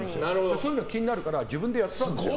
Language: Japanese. そういうのが気になるから自分でやったんですよ。